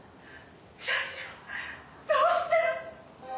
「社長どうして！？」